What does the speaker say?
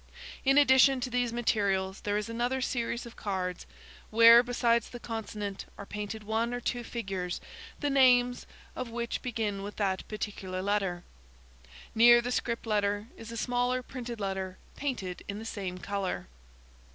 In addition to these materials there is another series of cards, where, besides the consonant, are painted one or two figures the names of which begin with that particular letter. Near the script letter, is a smaller printed letter painted in the same colour.